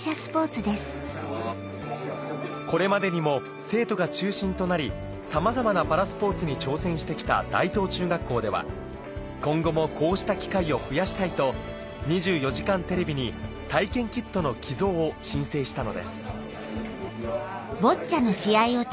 これまでにも生徒が中心となりさまざまなパラスポーツに挑戦して来た大東中学校では今後もこうした機会を増やしたいと『２４時間テレビ』に体験キットの寄贈を申請したのです